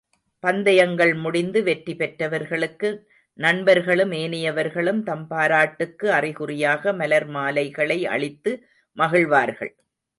பந்தயங்கள் முடிந்து வெற்றி பெற்றவர்களுக்கு நண்பர்களும் ஏனையவர்களும் தம் பாராட்டுக்கு அறிகுறியாக மலர் மாலைகளை அளித்து மகிழ்வார்கள்.